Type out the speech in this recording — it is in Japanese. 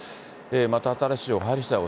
また新しい情報入りしだい